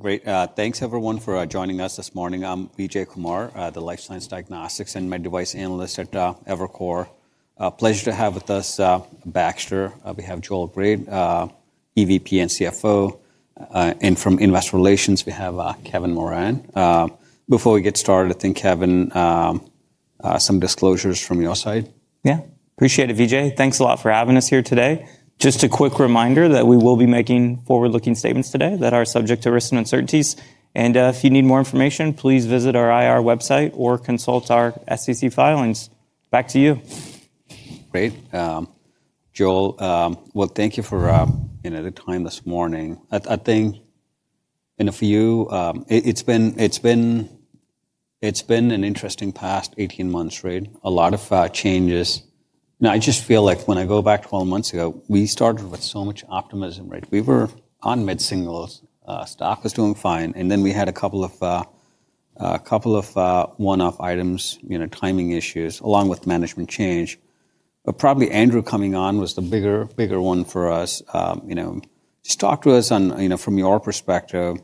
Great. Thanks, everyone, for joining us this morning. I'm Vijay Kumar, the Life Science Diagnostics and Med Device Analyst at Evercore. Pleasure to have with us Baxter. We have Joel Grade, EVP and CFO. And from Investor Relations, we have Kevin Moran. Before we get started, I think, Kevin, some disclosures from your side. Yeah. Appreciate it, Vijay. Thanks a lot for having us here today. Just a quick reminder that we will be making forward-looking statements today that are subject to risk and uncertainties. If you need more information, please visit our IR website or consult our SEC filings. Back to you. Great. Joel, thank you for spending the time this morning. I think, and if you... It's been an interesting past 18 months, right? A lot of changes. Now, I just feel like when I go back 12 months ago, we started with so much optimism, right? We were on mid-singles. Stock was doing fine. Then we had a couple of one-off items, timing issues, along with management change. Probably Andrew coming on was the bigger one for us. Just talk to us from your perspective.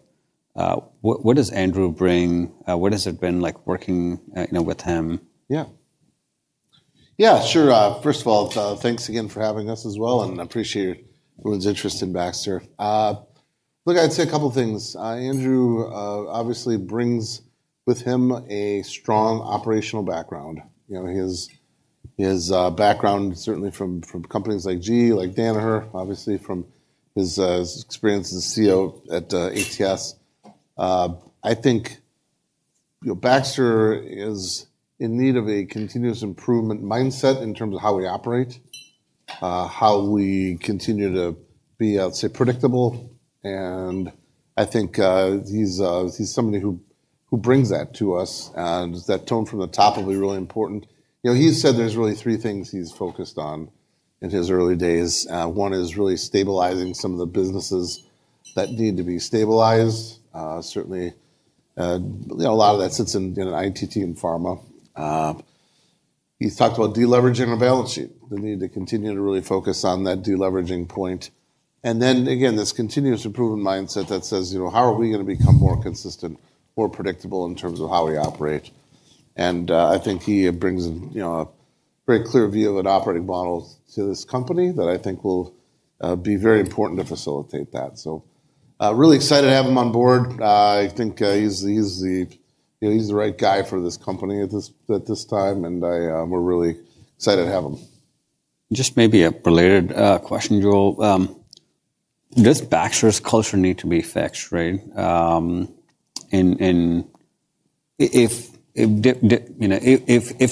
What does Andrew bring? What has it been like working with him? Yeah. Yeah, sure. First of all, thanks again for having us as well. I appreciate everyone's interest in Baxter. Look, I'd say a couple of things. Andrew obviously brings with him a strong operational background. His background, certainly from companies like GE, like Danaher, obviously from his experience as a CEO at ATS. I think Baxter is in need of a continuous improvement mindset in terms of how we operate, how we continue to be, I'd say, predictable. I think he's somebody who brings that to us. That tone from the top will be really important. He said there's really three things he's focused on in his early days. One is really stabilizing some of the businesses that need to be stabilized. Certainly, a lot of that sits in ITT and pharma. He's talked about deleveraging on a balance sheet. The need to continue to really focus on that deleveraging point. Again, this continuous improvement mindset that says, how are we going to become more consistent, more predictable in terms of how we operate? I think he brings a very clear view of an operating model to this company that I think will be very important to facilitate that. Really excited to have him on board. I think he's the right guy for this company at this time. We're really excited to have him. Just maybe a related question, Joel. Does Baxter's culture need to be fixed, right? And if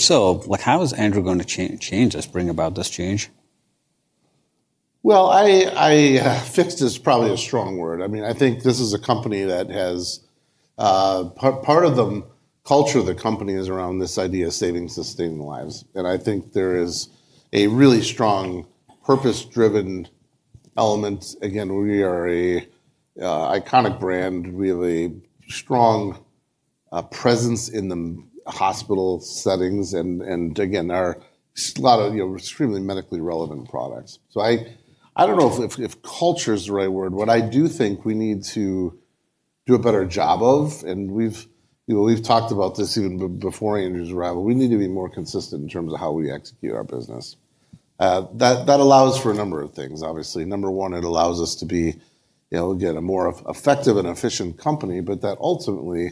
so, how is Andrew going to change this, bring about this change? Fixed is probably a strong word. I mean, I think this is a company that has part of the culture of the company is around this idea of saving sustaining lives. I think there is a really strong purpose-driven element. Again, we are an iconic brand. We have a strong presence in the hospital settings. Again, there are a lot of extremely medically relevant products. I do not know if culture is the right word. What I do think we need to do a better job of, and we have talked about this even before Andrew's arrival, we need to be more consistent in terms of how we execute our business. That allows for a number of things, obviously. Number one, it allows us to be, again, a more effective and efficient company. That ultimately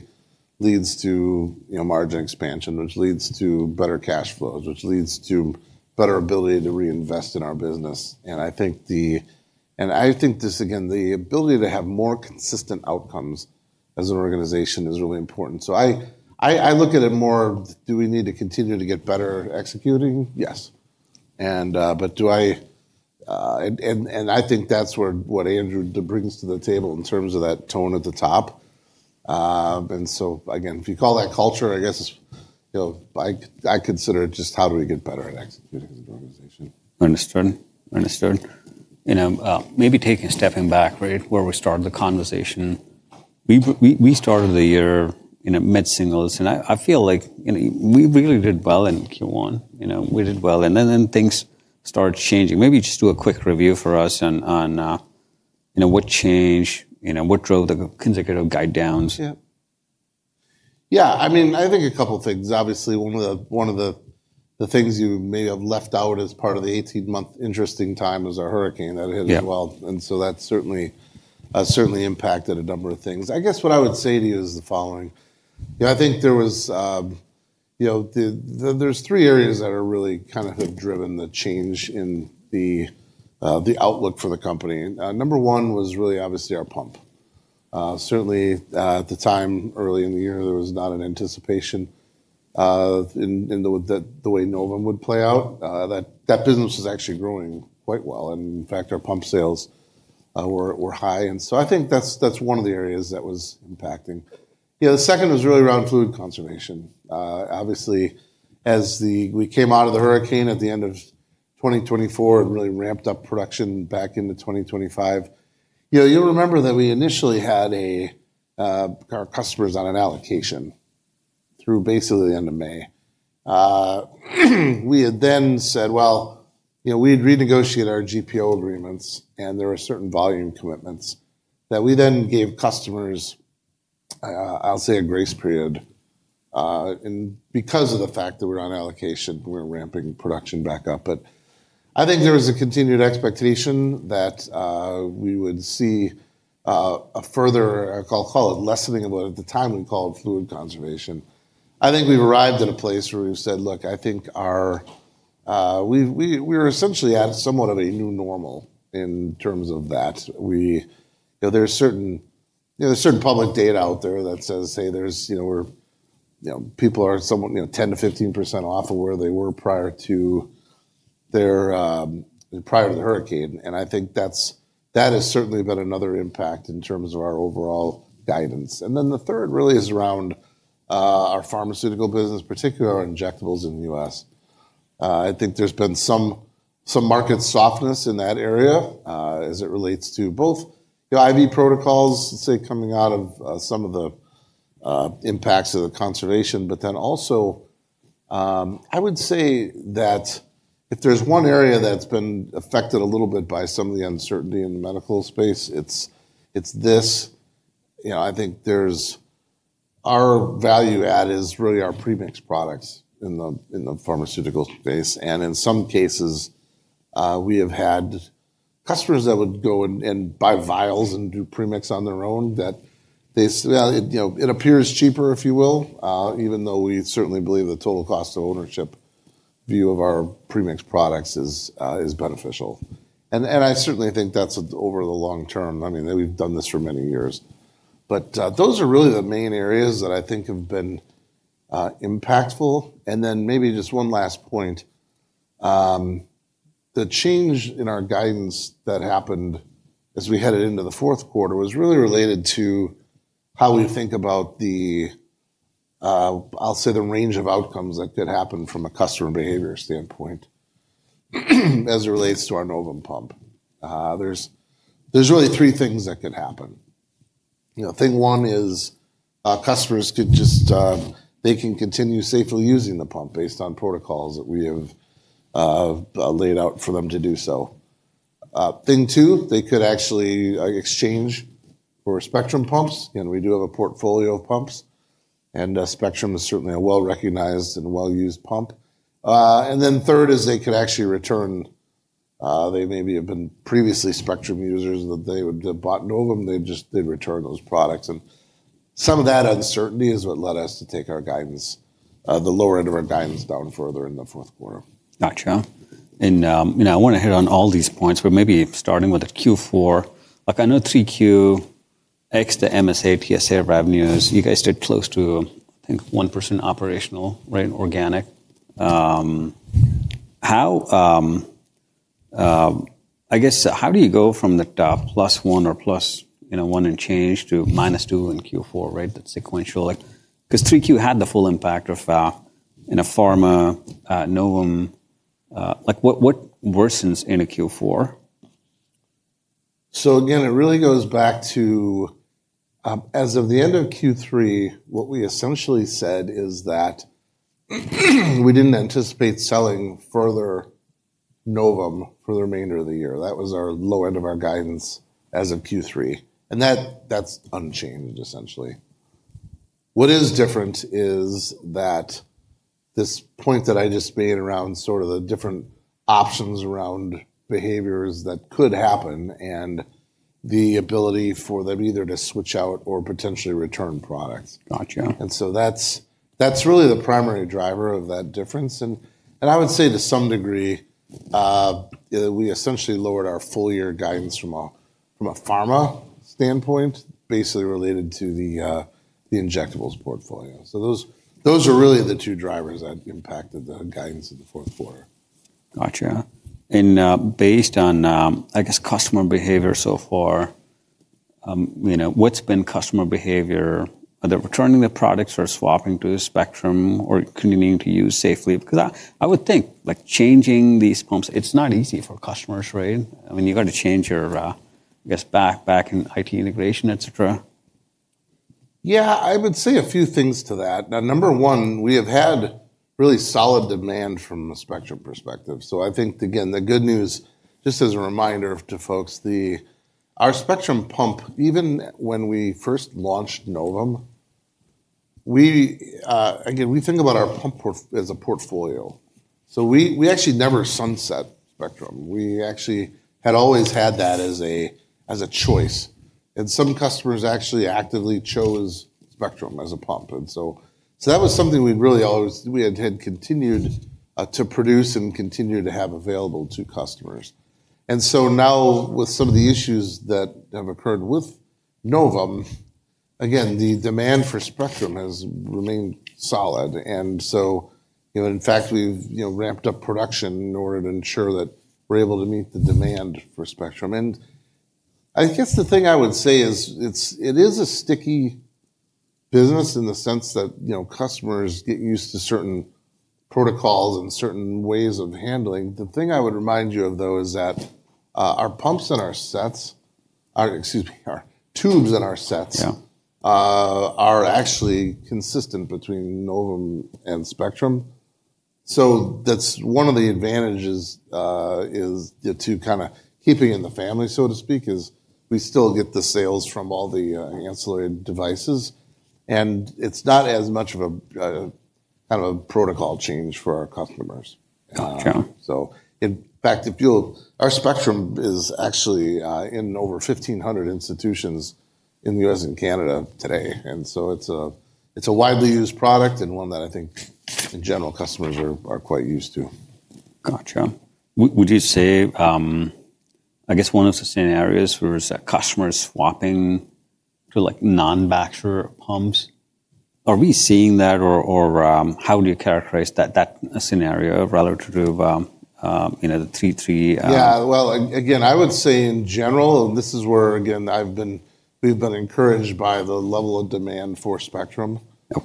leads to margin expansion, which leads to better cash flows, which leads to better ability to reinvest in our business. I think this, again, the ability to have more consistent outcomes as an organization is really important. I look at it more of, do we need to continue to get better executing? Yes. I think that's what Andrew brings to the table in terms of that tone at the top. Again, if you call that culture, I guess I consider it just how do we get better at executing as an organization. Understood. Understood. Maybe taking a step back, right, where we started the conversation. We started the year mid-singles. I feel like we really did well in Q1. We did well. Then things started changing. Maybe just do a quick review for us on what changed, what drove the consecutive guide downs. Yeah. Yeah. I mean, I think a couple of things. Obviously, one of the things you may have left out as part of the 18-month interesting time was a hurricane that hit as well. That certainly impacted a number of things. I guess what I would say to you is the following. I think there are three areas that really kind of have driven the change in the outlook for the company. Number one was really, obviously, our pump. Certainly, at the time, early in the year, there was not an anticipation in the way Novum would play out. That business was actually growing quite well. In fact, our pump sales were high. I think that is one of the areas that was impacting. The second was really around fluid conservation. Obviously, as we came out of the hurricane at the end of 2024 and really ramped up production back into 2025, you'll remember that we initially had our customers on an allocation through basically the end of May. We had then said, well, we'd renegotiate our GPO agreements. There were certain volume commitments that we then gave customers, I'll say, a grace period because of the fact that we're on allocation, we're ramping production back up. I think there was a continued expectation that we would see a further, I'll call it lessening of what at the time we called fluid conservation. I think we've arrived at a place where we've said, look, I think we were essentially at somewhat of a new normal in terms of that. There's certain public data out there that says, hey, people are 10%-15% off of where they were prior to the hurricane. I think that has certainly been another impact in terms of our overall guidance. The third really is around our pharmaceutical business, particularly our injectables in the U.S. I think there's been some market softness in that area as it relates to both IV protocols, say, coming out of some of the impacts of the conservation. I would say that if there's one area that's been affected a little bit by some of the uncertainty in the medical space, it's this. I think our value add is really our premixed products in the pharmaceutical space. In some cases, we have had customers that would go and buy vials and do premix on their own that it appears cheaper, if you will, even though we certainly believe the total cost of ownership view of our premixed products is beneficial. I certainly think that's over the long term. I mean, we've done this for many years. Those are really the main areas that I think have been impactful. Maybe just one last point. The change in our guidance that happened as we headed into the fourth quarter was really related to how we think about the, I'll say, the range of outcomes that could happen from a customer behavior standpoint as it relates to our Novum pump. There's really three things that could happen. Thing one is customers could just, they can continue safely using the pump based on protocols that we have laid out for them to do so. Thing two, they could actually exchange for Spectrum pumps. We do have a portfolio of pumps. Spectrum is certainly a well-recognized and well-used pump. Third is they could actually return. They maybe have been previously Spectrum users that they would have bought Novum. They would return those products. Some of that uncertainty is what led us to take our guidance, the lower end of our guidance, down further in the fourth quarter. Gotcha. I want to hit on all these points, but maybe starting with Q4. I know 3Q, ex the MSA, TSA revenues, you guys did close to, I think, 1% operational, right, organic. I guess how do you go from the top +1% or +1% and change to -2% in Q4, right, that's sequential? Because 3Q had the full impact of in a pharma, Novum. What worsens in a Q4? It really goes back to, as of the end of Q3, what we essentially said is that we did not anticipate selling further Novum for the remainder of the year. That was our low end of our guidance as of Q3. That is unchanged, essentially. What is different is this point that I just made around the different options around behaviors that could happen and the ability for them either to switch out or potentially return products. That is really the primary driver of that difference. I would say to some degree, we essentially lowered our full year guidance from a pharma standpoint, basically related to the injectables portfolio. Those are really the two drivers that impacted the guidance of the fourth quarter. Gotcha. Based on, I guess, customer behavior so far, what's been customer behavior? Are they returning the products or swapping to Spectrum or continuing to use safely? I would think changing these pumps, it's not easy for customers, right? I mean, you've got to change your, I guess, back-end IT integration, et cetera. Yeah, I would say a few things to that. Now, number one, we have had really solid demand from a Spectrum perspective. I think, again, the good news, just as a reminder to folks, our Spectrum pump, even when we first launched Novum, again, we think about our pump as a portfolio. We actually never sunset Spectrum. We actually had always had that as a choice. Some customers actually actively chose Spectrum as a pump. That was something we really always, we had continued to produce and continue to have available to customers. Now, with some of the issues that have occurred with Novum, again, the demand for Spectrum has remained solid. In fact, we have ramped up production in order to ensure that we are able to meet the demand for Spectrum. I guess the thing I would say is it is a sticky business in the sense that customers get used to certain protocols and certain ways of handling. The thing I would remind you of, though, is that our pumps and our sets, excuse me, our tubes and our sets are actually consistent between Novum and Spectrum. One of the advantages to kind of keeping in the family, so to speak, is we still get the sales from all the ancillary devices. It is not as much of a kind of a protocol change for our customers. In fact, our Spectrum is actually in over 1,500 institutions in the U.S. and Canada today. It is a widely used product and one that I think, in general, customers are quite used to. Gotcha. Would you say, I guess, one of the scenarios was that customers swapping to non-Baxter pumps? Are we seeing that, or how would you characterize that scenario relative to the 33? Yeah. Again, I would say in general, and this is where, again, we've been encouraged by the level of demand for Spectrum. I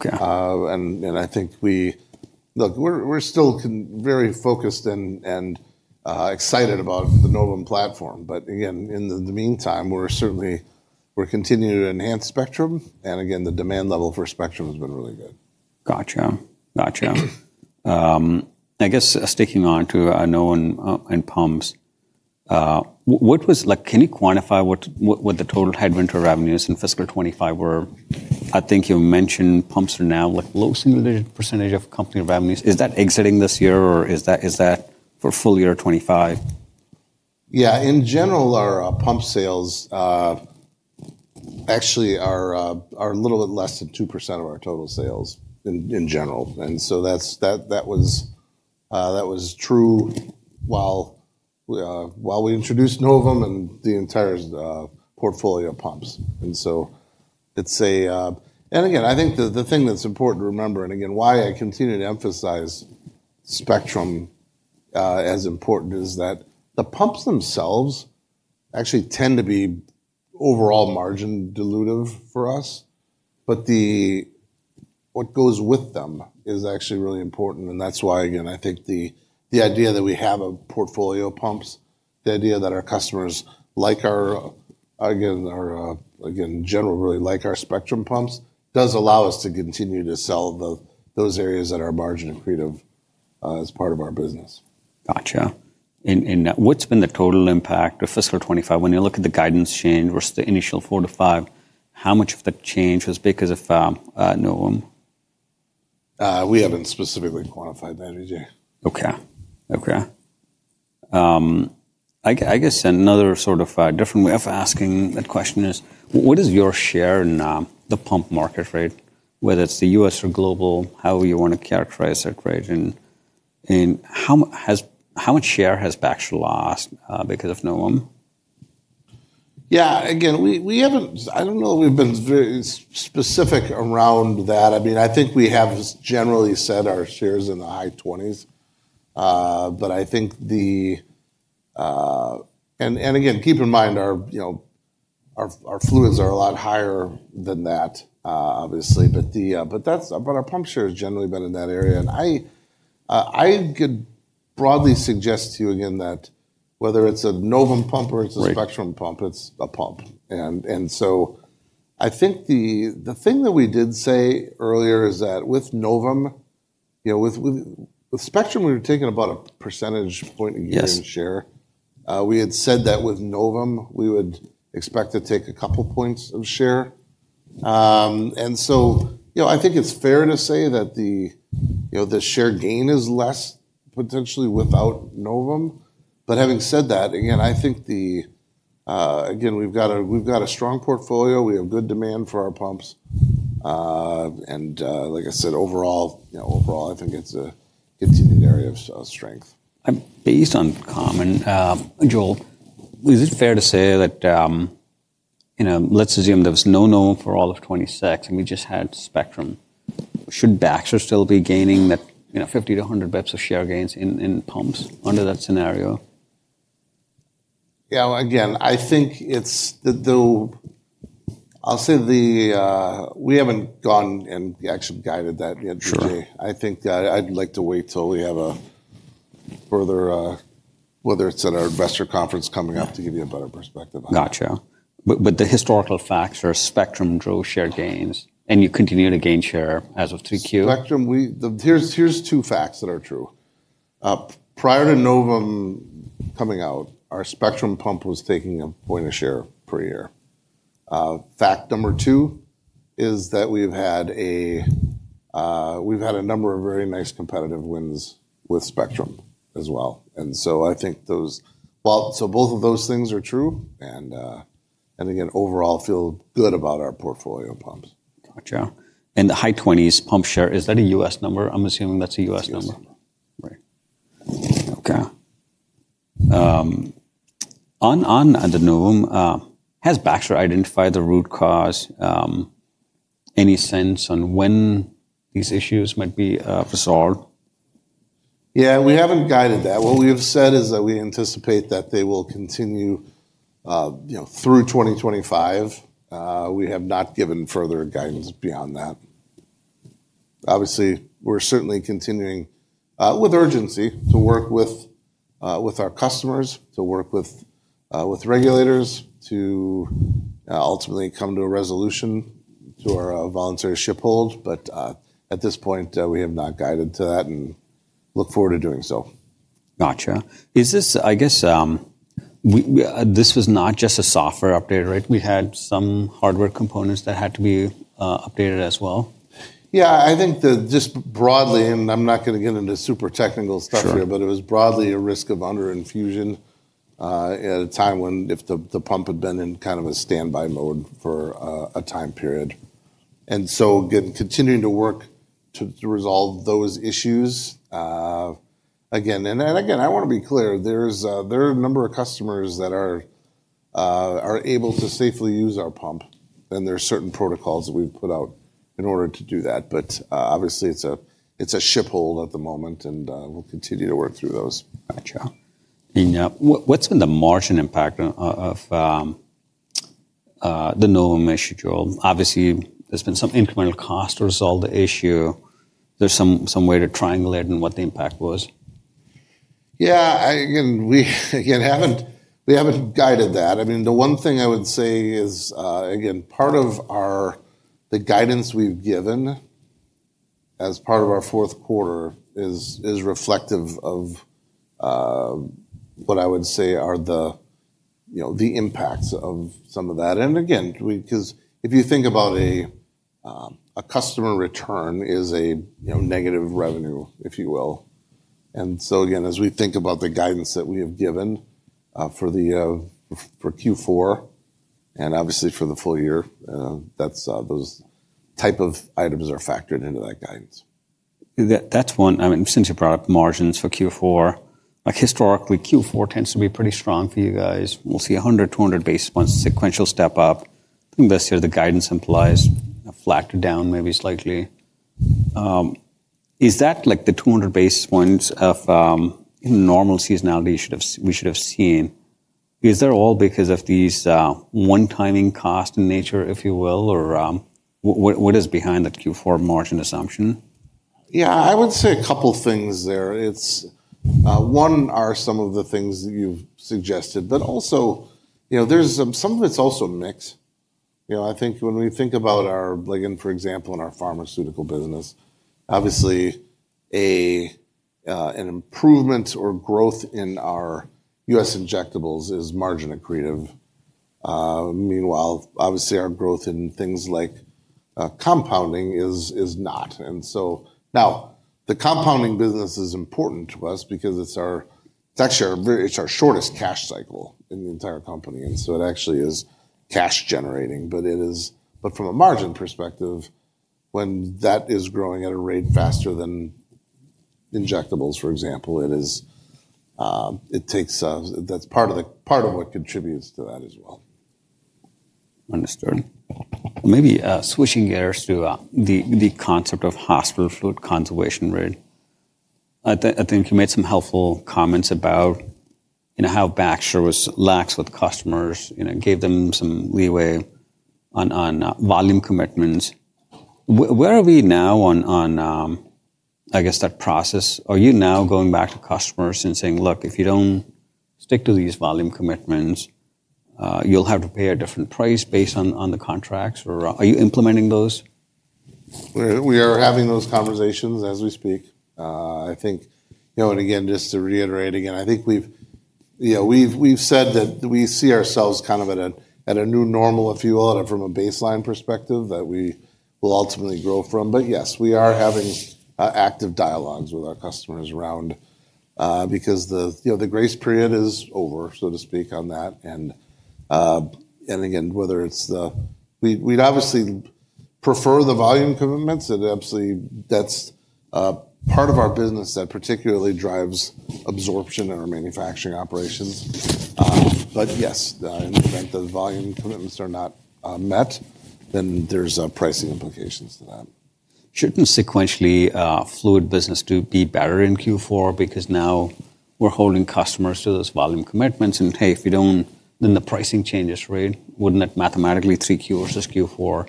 think we're still very focused and excited about the Novum platform. Again, in the meantime, we're continuing to enhance Spectrum. Again, the demand level for Spectrum has been really good. Gotcha. Gotcha. I guess sticking on to Novum and pumps, can you quantify what the total headwind to revenues in fiscal 2025 were? I think you mentioned pumps are now low single-digit percentage of company revenues. Is that exiting this year, or is that for full year 2025? Yeah. In general, our pump sales actually are a little bit less than 2% of our total sales in general. That was true while we introduced Novum and the entire portfolio of pumps. I think the thing that's important to remember, and again, why I continue to emphasize Spectrum as important, is that the pumps themselves actually tend to be overall margin dilutive for us. What goes with them is actually really important. That's why, again, I think the idea that we have a portfolio of pumps, the idea that our customers, again, in general, really like our Spectrum pumps, does allow us to continue to sell those areas that are margin accretive as part of our business. Gotcha. What's been the total impact of fiscal 2025? When you look at the guidance change, where's the initial four to five, how much of the change was because of Novum? We haven't specifically quantified that, did you? Okay. Okay. I guess another sort of different way of asking that question is, what is your share in the pump market, right? Whether it's the U.S. or global, how you want to characterize it, right? And how much share has Baxter lost because of Novum? Yeah. Again, I don't know if we've been very specific around that. I mean, I think we have generally said our shares are in the high 20s. I think, and again, keep in mind our fluids are a lot higher than that, obviously. Our pump share has generally been in that area. I could broadly suggest to you, again, that whether it's a Novum pump or it's a Spectrum pump, it's a pump. I think the thing that we did say earlier is that with Novum, with Spectrum, we were taking about a percentage point in share. We had said that with Novum, we would expect to take a couple points of share. I think it's fair to say that the share gain is less potentially without Novum. Having said that, again, I think, again, we've got a strong portfolio. We have good demand for our pumps. Like I said, overall, I think it's a continued area of strength. Based on common, Joel, is it fair to say that let's assume there was no Novum for all of 2026 and we just had Spectrum, should Baxter still be gaining that 50%-100% of share gains in pumps under that scenario? Yeah. Again, I think I'll say we haven't gone and actually guided that yet, Judy. I think I'd like to wait till we have a further, whether it's at our investor conference coming up to give you a better perspective on it. Gotcha. The historical facts are Spectrum drove share gains and you continue to gain share as of 3Q? Spectrum, here's two facts that are true. Prior to Novum coming out, our Spectrum pump was taking a point of share per year. Fact number two is that we've had a number of very nice competitive wins with Spectrum as well. I think those, so both of those things are true. Again, overall, I feel good about our portfolio pumps. Gotcha. The high 20s pump share, is that a U.S. number? I'm assuming that's a US number. U.S. number. Right. Okay. On Novum, has Baxter identified the root cause? Any sense on when these issues might be resolved? Yeah. We haven't guided that. What we have said is that we anticipate that they will continue through 2025. We have not given further guidance beyond that. Obviously, we're certainly continuing with urgency to work with our customers, to work with regulators, to ultimately come to a resolution to our voluntary shiphold. At this point, we have not guided to that and look forward to doing so. Gotcha. I guess this was not just a software update, right? We had some hardware components that had to be updated as well? Yeah. I think just broadly, and I'm not going to get into super technical stuff here, but it was broadly a risk of under-infusion at a time when if the pump had been in kind of a standby mode for a time period. Again, continuing to work to resolve those issues. Again, I want to be clear, there are a number of customers that are able to safely use our pump. There are certain protocols that we've put out in order to do that. Obviously, it's a shiphold at the moment, and we'll continue to work through those. Gotcha. What’s been the margin impact of the Novum issue, Joel? Obviously, there’s been some incremental cost to resolve the issue. Is there some way to triangulate what the impact was? Yeah. Again, we haven't guided that. I mean, the one thing I would say is, again, part of the guidance we've given as part of our fourth quarter is reflective of what I would say are the impacts of some of that. Again, because if you think about a customer return is a negative revenue, if you will. Again, as we think about the guidance that we have given for Q4 and obviously for the full year, those type of items are factored into that guidance. That's one. I mean, since you brought up margins for Q4, historically, Q4 tends to be pretty strong for you guys. We'll see 100 basis points-200 basis points sequential step up. This year, the guidance implies flat down maybe slightly. Is that like the 200 basis points of normal seasonality we should have seen? Is that all because of these one-timing cost in nature, if you will, or what is behind the Q4 margin assumption? Yeah. I would say a couple of things there. One are some of the things that you've suggested, but also some of it's also mixed. I think when we think about our, again, for example, in our pharmaceutical business, obviously, an improvement or growth in our U.S. injectables is margin accretive. Meanwhile, obviously, our growth in things like compounding is not. Now the compounding business is important to us because it's actually our shortest cash cycle in the entire company. It actually is cash-generating. From a margin perspective, when that is growing at a rate faster than injectables, for example, it takes that's part of what contributes to that as well. Understood. Maybe switching gears to the concept of hospital fluid conservation rate. I think you made some helpful comments about how Baxter, like, with customers, gave them some leeway on volume commitments. Where are we now on, I guess, that process? Are you now going back to customers and saying, "Look, if you don't stick to these volume commitments, you'll have to pay a different price based on the contracts"? Or are you implementing those? We are having those conversations as we speak. I think, and again, just to reiterate again, I think we've said that we see ourselves kind of at a new normal, if you will, from a baseline perspective that we will ultimately grow from. Yes, we are having active dialogues with our customers around because the grace period is over, so to speak, on that. Again, whether it's the we'd obviously prefer the volume commitments. That's part of our business that particularly drives absorption in our manufacturing operations. Yes, in the event that volume commitments are not met, then there's pricing implications to that. Shouldn't sequentially fluid business do be better in Q4 because now we're holding customers to those volume commitments? If we don't, then the pricing changes, right? Wouldn't that mathematically 3Q versus Q4,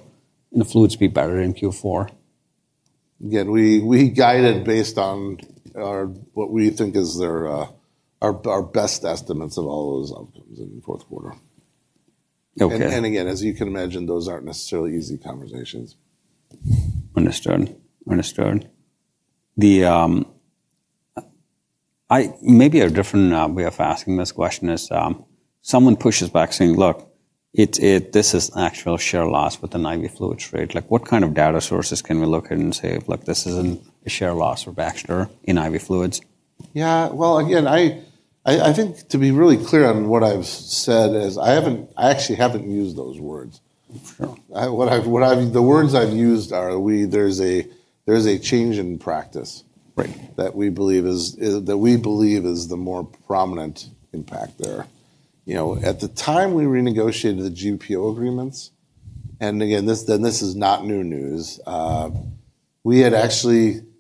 and the fluids be better in Q4? Yeah. We guide it based on what we think is our best estimates of all those outcomes in the fourth quarter. Again, as you can imagine, those aren't necessarily easy conversations. Understood. Understood. Maybe a different way of asking this question is someone pushes back saying, "Look, this is actual share loss with an IV fluid trade." What kind of data sources can we look at and say, "Look, this isn't a share loss for Baxter in IV fluids? Yeah. Again, I think to be really clear on what I've said is I actually haven't used those words. The words I've used are, there's a change in practice that we believe is the more prominent impact there. At the time we renegotiated the GPO agreements, and again, this is not new news,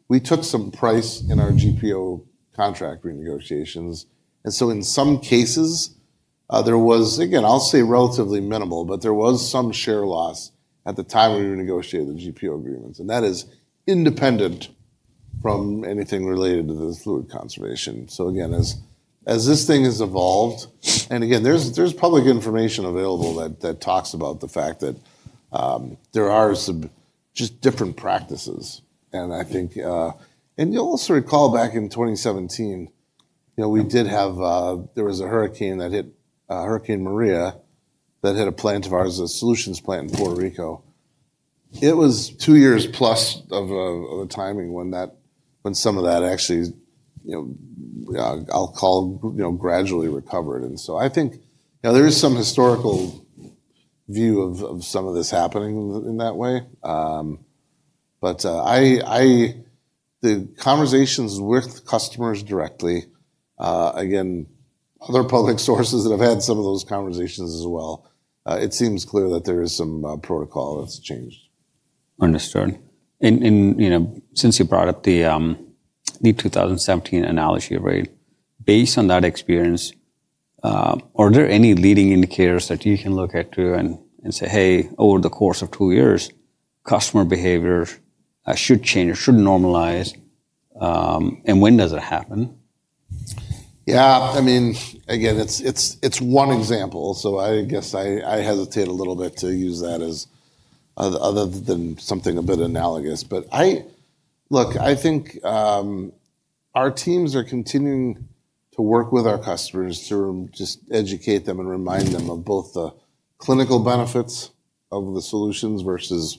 we took some price in our GPO contract renegotiations. In some cases, there was, again, I'll say relatively minimal, but there was some share loss at the time we renegotiated the GPO agreements. That is independent from anything related to the fluid conservation. Again, as this thing has evolved, and again, there's public information available that talks about the fact that there are just different practices. You will also recall back in 2017, there was a hurricane that hit, Hurricane Maria, that hit a plant of ours, a solutions plant in Puerto Rico. It was two years plus of a timing when some of that actually, I'll call, gradually recovered. I think there is some historical view of some of this happening in that way. The conversations with customers directly, again, other public sources that have had some of those conversations as well, it seems clear that there is some protocol that's changed. Understood. Since you brought up the 2017 analogy, right, based on that experience, are there any leading indicators that you can look at too and say, "Hey, over the course of two years, customer behavior should change or should normalize"? When does it happen? Yeah. I mean, again, it's one example. I guess I hesitate a little bit to use that other than something a bit analogous. Look, I think our teams are continuing to work with our customers to just educate them and remind them of both the clinical benefits of the solutions versus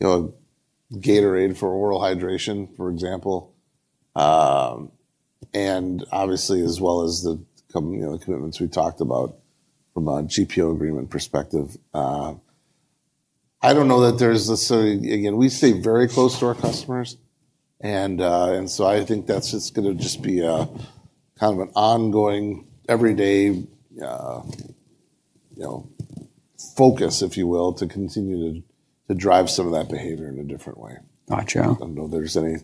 Gatorade for oral hydration, for example, and obviously as well as the commitments we talked about from a GPO agreement perspective. I don't know that there's necessarily, again, we stay very close to our customers. I think that's just going to just be kind of an ongoing everyday focus, if you will, to continue to drive some of that behavior in a different way. I don't know if there's any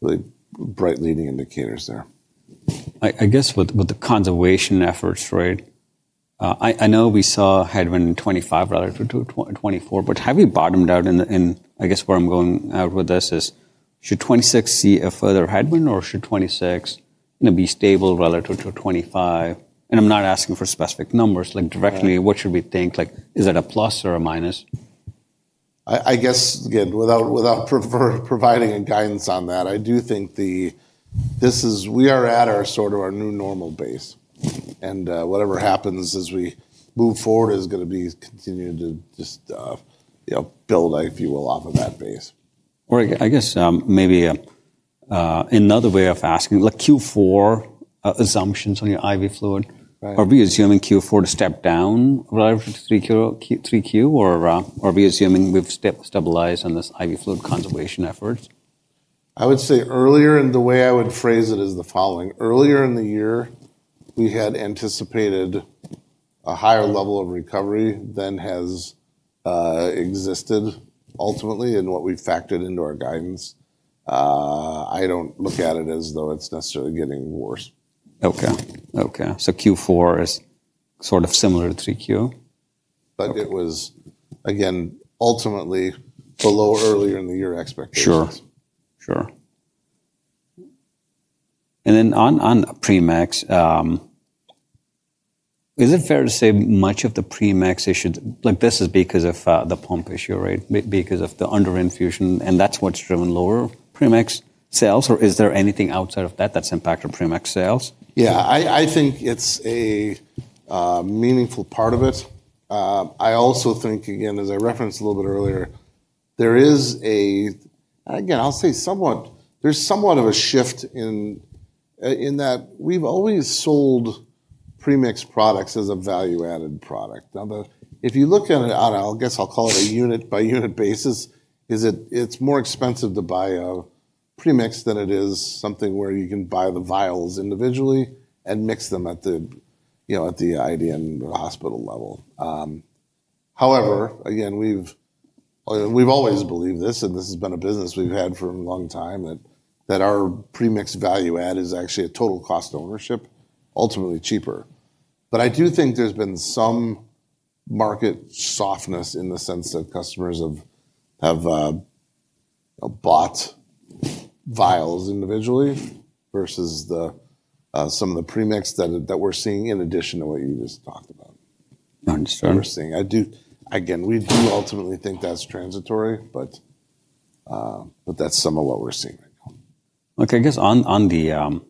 really bright leading indicators there. I guess with the conservation efforts, right, I know we saw headwind in 2025 relative to 2024, but have we bottomed out? I guess where I'm going out with this is, should 2026 see a further headwind, or should 2026 be stable relative to 2025? I'm not asking for specific numbers. Directly, what should we think? Is that a plus or a minus? I guess, again, without providing a guidance on that, I do think we are at our sort of our new normal base. Whatever happens as we move forward is going to be continued to just build, if you will, off of that base. I guess maybe another way of asking, like Q4 assumptions on your IV fluid, are we assuming Q4 to step down relative to 3Q, or are we assuming we've stabilized on this IV fluid conservation efforts? I would say earlier, and the way I would phrase it is the following. Earlier in the year, we had anticipated a higher level of recovery than has existed ultimately in what we factored into our guidance. I don't look at it as though it's necessarily getting worse. Okay. Okay. Q4 is sort of similar to 3Q? It was, again, ultimately below earlier in the year expectations. Sure. Sure. And then on Premix, is it fair to say much of the Premix issue, like this is because of the pump issue, right, because of the under-infusion, and that's what's driven lower Premix sales? Or is there anything outside of that that's impacted Premix sales? Yeah. I think it's a meaningful part of it. I also think, again, as I referenced a little bit earlier, there is a, and again, I'll say somewhat, there's somewhat of a shift in that we've always sold Premix products as a value-added product. Now, if you look at it, I guess I'll call it a unit-by-unit basis, it's more expensive to buy a Premix than it is something where you can buy the vials individually and mix them at the ID and hospital level. However, again, we've always believed this, and this has been a business we've had for a long time, that our Premix value-add is actually a total cost ownership, ultimately cheaper. I do think there's been some market softness in the sense that customers have bought vials individually versus some of the Premix that we're seeing in addition to what you just talked about. Understood. Again, we do ultimately think that's transitory, but that's some of what we're seeing. Look, I guess on the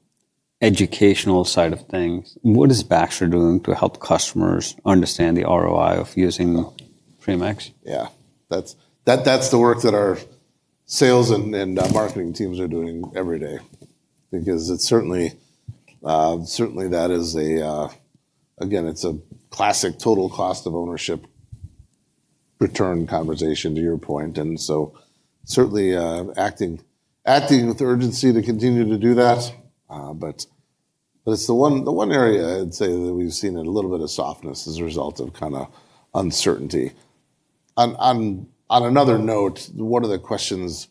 educational side of things, what is Baxter doing to help customers understand the ROI of using Premix? Yeah. That's the work that our sales and marketing teams are doing every day because certainly that is a, again, it's a classic total cost of ownership return conversation to your point. Certainly acting with urgency to continue to do that. It's the one area I'd say that we've seen a little bit of softness as a result of kind of uncertainty. On another note, one of the questions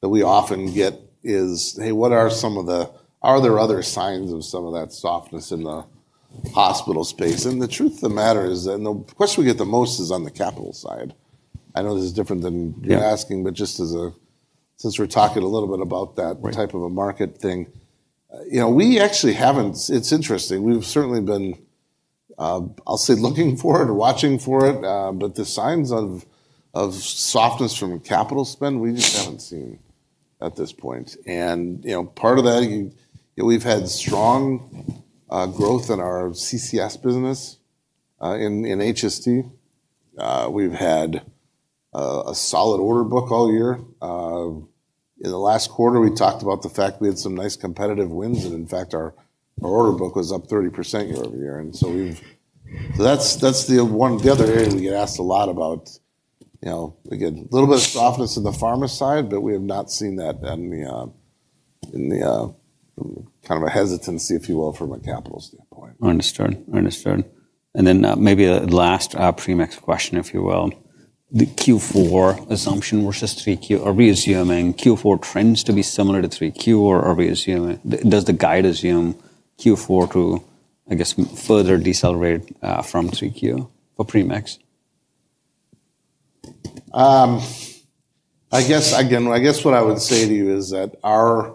that we often get is, "Hey, what are some of the, are there other signs of some of that softness in the hospital space?" The truth of the matter is, and the question we get the most is on the capital side. I know this is different than you're asking, but just since we're talking a little bit about that type of a market thing, we actually haven't, it's interesting. We've certainly been, I'll say, looking for it or watching for it, but the signs of softness from capital spend, we just haven't seen at this point. Part of that, we've had strong growth in our CCS business in HST. We've had a solid order book all year. In the last quarter, we talked about the fact we had some nice competitive wins, and in fact, our order book was up 30% year-over-year. That's the other area we get asked a lot about. Again, a little bit of softness in the pharma side, but we have not seen that in the kind of a hesitancy, if you will, from a capital standpoint. Understood. Understood. Maybe the last Premix question, if you will, the Q4 assumption versus 3Q, are we assuming Q4 trends to be similar to 3Q, or does the guide assume Q4 to, I guess, further decelerate from 3Q for Premix? I guess what I would say to you is that our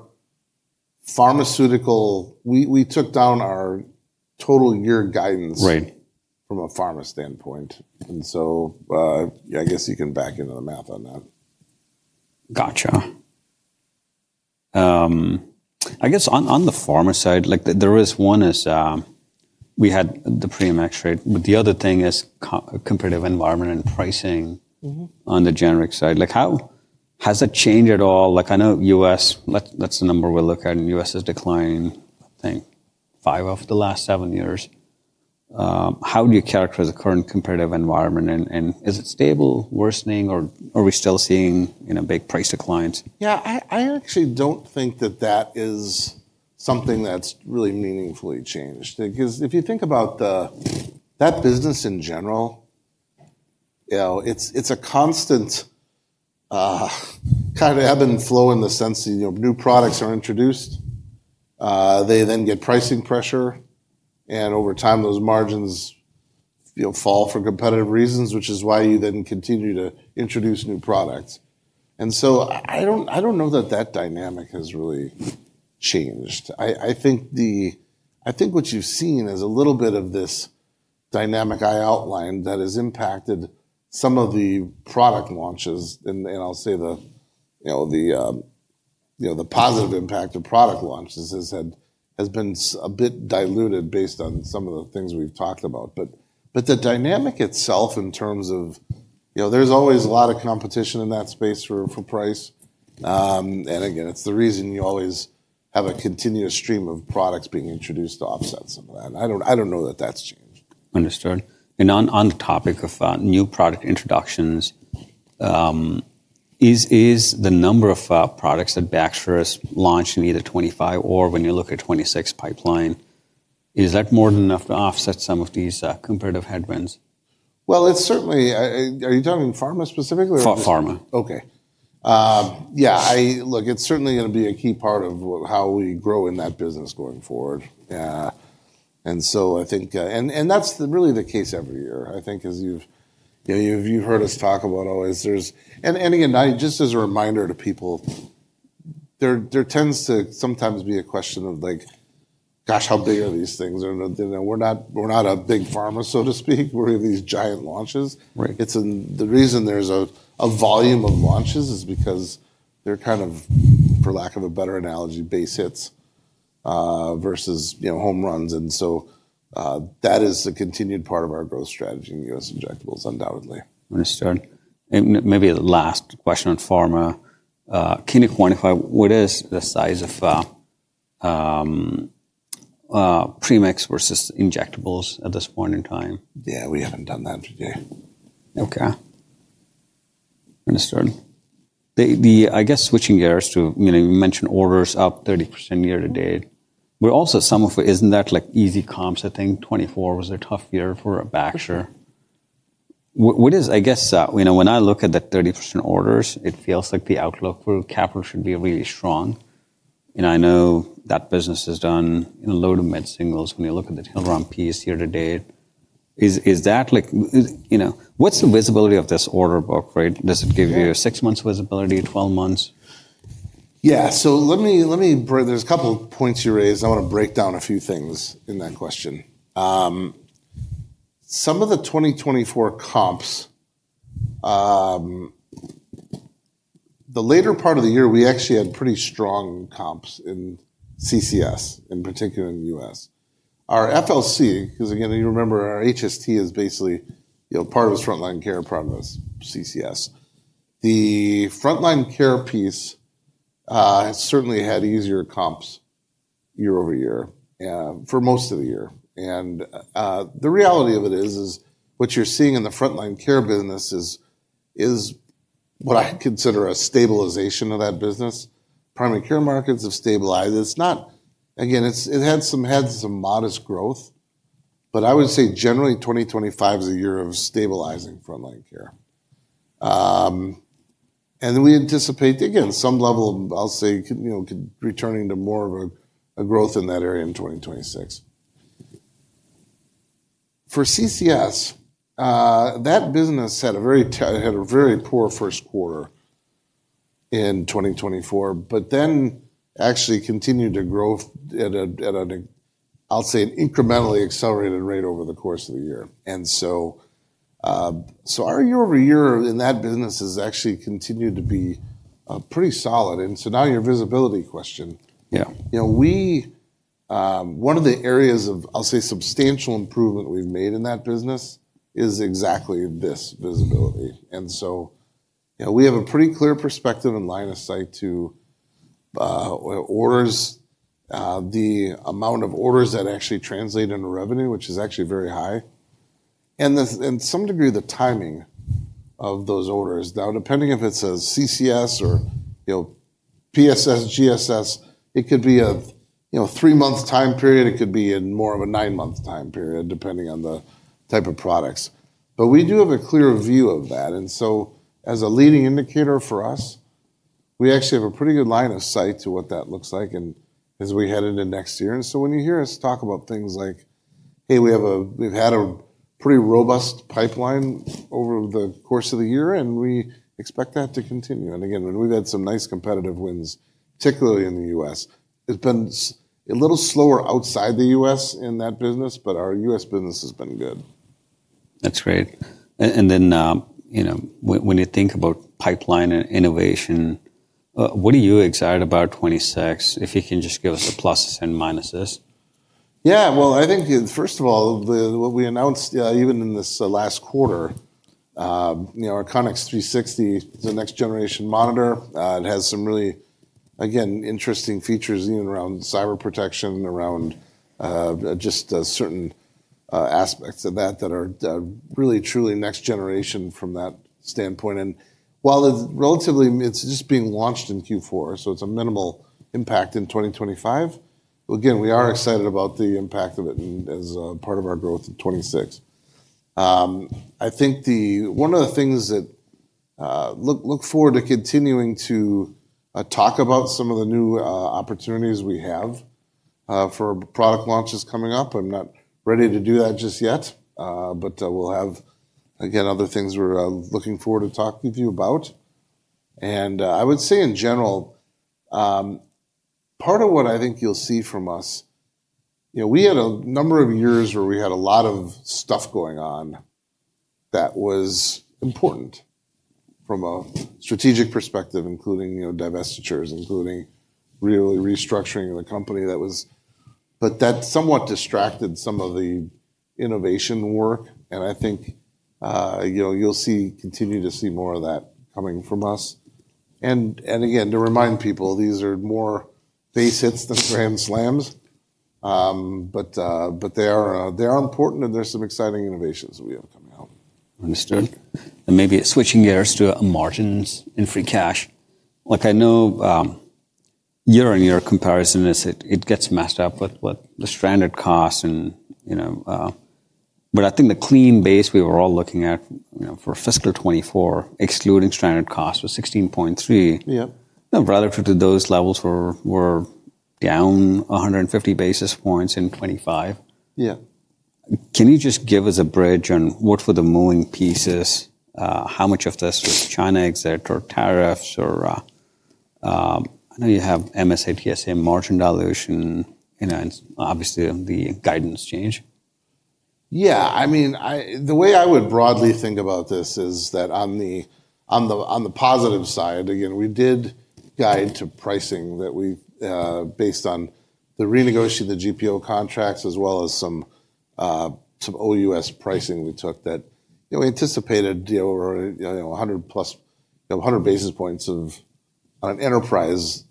pharmaceutical, we took down our total year guidance from a pharma standpoint. I guess you can back into the math on that. Gotcha. I guess on the pharma side, there is one is we had the Premix rate, but the other thing is competitive environment and pricing on the generic side. Has that changed at all? I know U.S., that's the number we're looking at, and U.S. is declining, I think, five of the last seven years. How do you characterize the current competitive environment, and is it stable, worsening, or are we still seeing big price declines? Yeah. I actually don't think that that is something that's really meaningfully changed because if you think about that business in general, it's a constant kind of ebb and flow in the sense that new products are introduced, they then get pricing pressure, and over time, those margins fall for competitive reasons, which is why you then continue to introduce new products. I don't know that that dynamic has really changed. I think what you've seen is a little bit of this dynamic I outlined that has impacted some of the product launches. I'll say the positive impact of product launches has been a bit diluted based on some of the things we've talked about. The dynamic itself in terms of there's always a lot of competition in that space for price. It's the reason you always have a continuous stream of products being introduced to offset some of that. I don't know that that's changed. Understood. On the topic of new product introductions, is the number of products that Baxter has launched in either 2025 or when you look at the 2026 pipeline, is that more than enough to offset some of these competitive headwinds? Are you talking pharma specifically or? Pharma. Okay. Yeah. Look, it's certainly going to be a key part of how we grow in that business going forward. I think, and that's really the case every year. I think as you've heard us talk about always, there's, and again, just as a reminder to people, there tends to sometimes be a question of like, "Gosh, how big are these things?" We're not a big pharma, so to speak. We're in these giant launches. The reason there's a volume of launches is because they're kind of, for lack of a better analogy, base hits versus home runs. That is a continued part of our growth strategy in US injectables, undoubtedly. Understood. Maybe the last question on pharma, can you quantify what is the size of Premix versus injectables at this point in time? Yeah, we haven't done that today. Okay. Understood. I guess switching gears to, you mentioned orders up 30% year to date. Also, some of it, is not that like easy comps? I think 2024 was a tough year for Baxter. What is, I guess, when I look at the 30% orders, it feels like the outlook for capital should be really strong. I know that business has done a load of mid-singles when you look at the tilt-around piece year to date. Is that like, what is the visibility of this order book, right? Does it give you six months visibility, 12 months? Yeah. Let me, there's a couple of points you raised. I want to break down a few things in that question. Some of the 2024 comps, the later part of the year, we actually had pretty strong comps in CCS, in particular in the U.S. Our FLC, because again, you remember our HST is basically part of us frontline care, part of us CCS. The frontline care piece certainly had easier comps year-over-year for most of the year. The reality of it is, is what you're seeing in the frontline care business is what I consider a stabilization of that business. Primary care markets have stabilized. It's not, again, it had some modest growth, but I would say generally 2025 is a year of stabilizing frontline care. We anticipate, again, some level of, I'll say, returning to more of a growth in that area in 2026. For CCS, that business had a very poor first quarter in 2024, but then actually continued to grow at an, I'll say, incrementally accelerated rate over the course of the year. Our year-over-year in that business has actually continued to be pretty solid. Now your visibility question, one of the areas of, I'll say, substantial improvement we've made in that business is exactly this visibility. We have a pretty clear perspective and line of sight to orders, the amount of orders that actually translate into revenue, which is actually very high. To some degree, the timing of those orders. Now, depending if it's a CCS or PSS, GSS, it could be a three-month time period. It could be in more of a nine-month time period, depending on the type of products. We do have a clear view of that. As a leading indicator for us, we actually have a pretty good line of sight to what that looks like as we head into next year. When you hear us talk about things like, "Hey, we've had a pretty robust pipeline over the course of the year, and we expect that to continue." We have had some nice competitive wins, particularly in the U.S. It has been a little slower outside the U.S. in that business, but our U.S. business has been good. That's great. When you think about pipeline and innovation, what are you excited about for 2026? If you can just give us the pluses and minuses. Yeah. I think first of all, what we announced, even in this last quarter, our Connex 360 is a next-generation monitor. It has some really, again, interesting features even around cyber protection, around just certain aspects of that that are really, truly next-generation from that standpoint. While it's relatively, it's just being launched in Q4, so it's a minimal impact in 2025. Again, we are excited about the impact of it as part of our growth in 2026. I think one of the things that look forward to continuing to talk about some of the new opportunities we have for product launches coming up. I'm not ready to do that just yet, but we'll have, again, other things we're looking forward to talking to you about. I would say in general, part of what I think you'll see from us, we had a number of years where we had a lot of stuff going on that was important from a strategic perspective, including divestitures, including really restructuring of the company. That somewhat distracted some of the innovation work. I think you'll continue to see more of that coming from us. Again, to remind people, these are more base hits than grand slams, but they are important and there's some exciting innovations we have coming out. Understood. Maybe switching gears to margins and free cash. Like I know year on year comparison is it gets messed up with the standard cost. I think the clean base we were all looking at for fiscal 2024, excluding standard cost, was 16.3. Relative to those levels, we're down 150 basis points in 2025. Can you just give us a bridge on what were the moving pieces? How much of this was China exit or tariffs? I know you have MSA TSA margin dilution, obviously the guidance change. Yeah. I mean, the way I would broadly think about this is that on the positive side, again, we did guide to pricing that we based on the renegotiated GPO contracts as well as some OUS pricing we took that we anticipated 100 plus basis points on an enterprise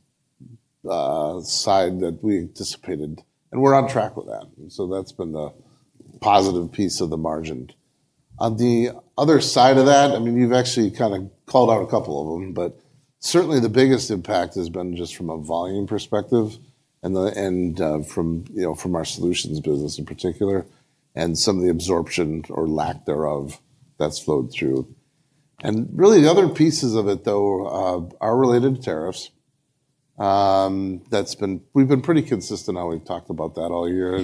side that we anticipated. We're on track with that. That's been the positive piece of the margin. On the other side of that, I mean, you've actually kind of called out a couple of them, but certainly the biggest impact has been just from a volume perspective and from our solutions business in particular and some of the absorption or lack thereof that's flowed through. Really the other pieces of it though are related to tariffs. We've been pretty consistent on how we've talked about that all year.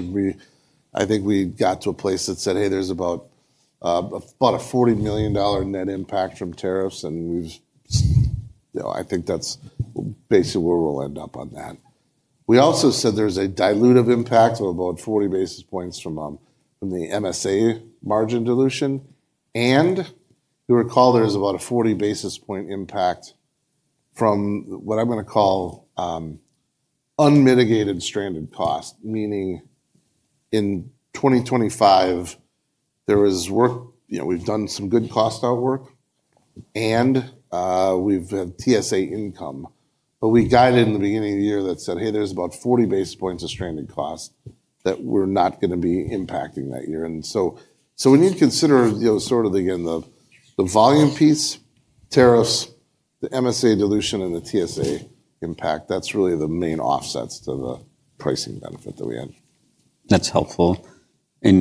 I think we got to a place that said, "Hey, there's about a $40 million net impact from tariffs." I think that's basically where we'll end up on that. We also said there's a dilutive impact of about 40 basis points from the MSA margin dilution. You recall there's about a 40 basis point impact from what I'm going to call unmitigated stranded cost, meaning in 2025, there was work, we've done some good cost outwork and we've had TSA income. We guided in the beginning of the year that said, "Hey, there's about 40 basis points of stranded cost that we're not going to be impacting that year." We need to consider sort of again, the volume piece, tariffs, the MSA dilution, and the TSA impact. That's really the main offsets to the pricing benefit that we had. That's helpful. As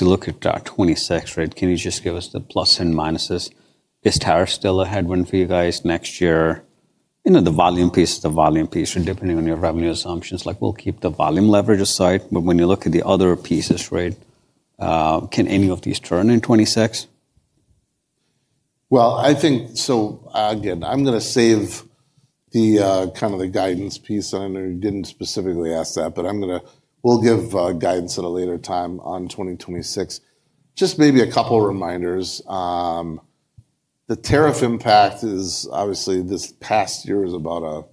you look at 2026, can you just give us the plus and minuses? Is tariff still a headwind for you guys next year? The volume piece is the volume piece. Depending on your revenue assumptions, we'll keep the volume leverage aside. When you look at the other pieces, can any of these turn in 2026? I think, again, I'm going to save the kind of the guidance piece. I know you didn't specifically ask that, but I'm going to, we'll give guidance at a later time on 2026. Just maybe a couple of reminders. The tariff impact is obviously this past year is about a,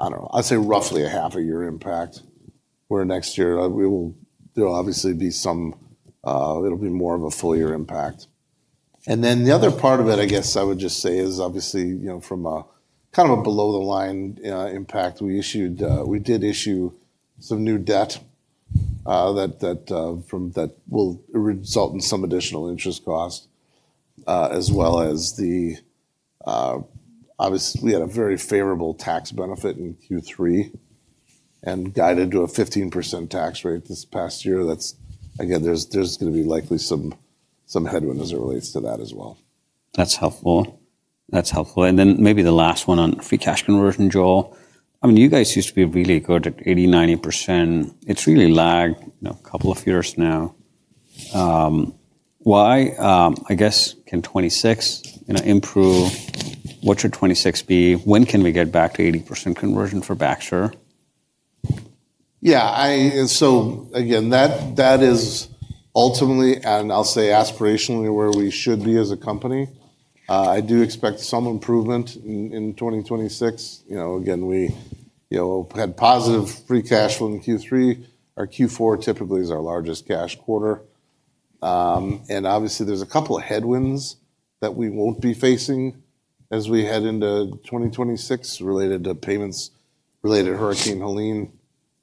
I don't know, I'd say roughly a half a year impact, where next year there will obviously be some, it'll be more of a full year impact. The other part of it, I guess I would just say is obviously from a kind of a below the line impact, we did issue some new debt that will result in some additional interest cost, as well as the, obviously we had a very favorable tax benefit in Q3 and guided to a 15% tax rate this past year. Again, there's going to be likely some headwind as it relates to that as well. That's helpful. That's helpful. Maybe the last one on free cash conversion, Joel. I mean, you guys used to be really good at 80, 90%. It's really lagged a couple of years now. Why, I guess, can 2026 improve? What should 2026 be? When can we get back to 80% conversion for Baxter? Yeah. So again, that is ultimately, and I'll say aspirationally where we should be as a company. I do expect some improvement in 2026. Again, we had positive free cash flow in Q3. Our Q4 typically is our largest cash quarter. Obviously there's a couple of headwinds that we won't be facing as we head into 2026 related to payments related to Hurricane Helene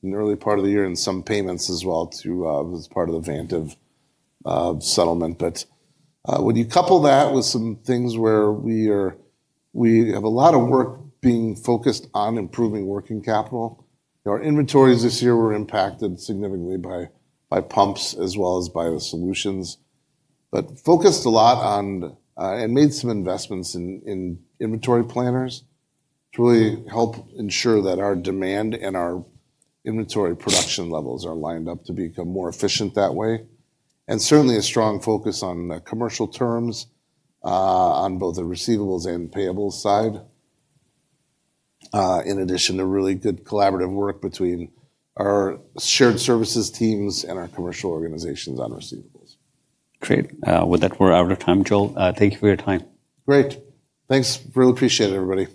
in the early part of the year and some payments as well as part of the Vantive settlement. When you couple that with some things where we have a lot of work being focused on improving working capital, our inventories this year were impacted significantly by pumps as well as by the solutions. We focused a lot on and made some investments in inventory planners to really help ensure that our demand and our inventory production levels are lined up to become more efficient that way. There is certainly a strong focus on commercial terms on both the receivables and payables side, in addition to really good collaborative work between our shared services teams and our commercial organizations on receivables. Great. With that, we're out of time, Joel. Thank you for your time. Great. Thanks. Really appreciate it, everybody.